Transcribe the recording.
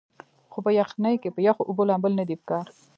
خو پۀ يخنۍ کښې پۀ يخو اوبو لامبل نۀ دي پکار